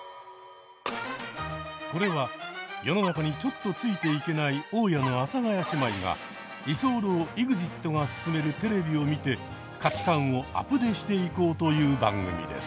これは世の中にちょっとついていけない大家の阿佐ヶ谷姉妹が居候ＥＸＩＴが勧めるテレビを見て価値観をアプデしていこうという番組です。